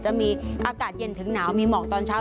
จะมีอากาศเย็นถึงหนาวมีหมอกตอนเช้า